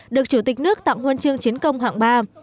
được chủ tịch nước tặng huân chương chiến công hạng ba